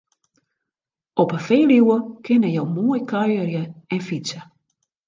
Op 'e Feluwe kinne jo moai kuierje en fytse.